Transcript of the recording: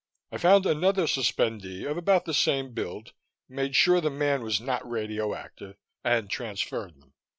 I found another suspendee of about the same build, made sure the man was not radioactive, and transferred them.